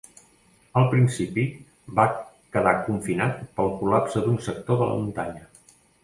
Al principi, va quedar confinat pel col·lapse d'un sector de la muntanya.